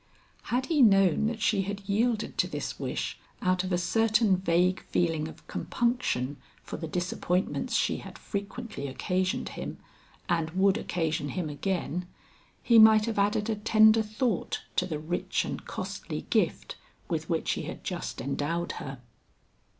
Had he known that she had yielded to this wish out of a certain vague feeling of compunction for the disappointments she had frequently occasioned him and would occasion him again, he might have added a tender thought to the rich and costly gift with which he had just endowed her.